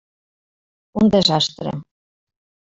Un desastre.